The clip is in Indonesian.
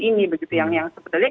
ini yang sebetulnya